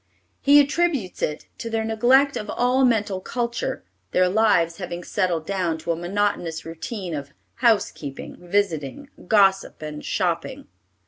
He attributes it to their neglect of all mental culture, their lives having settled down to a monotonous routine of house keeping, visiting, gossip, and shopping.